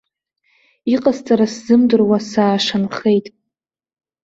Иҟасҵара сзымдыруа саашанхеит.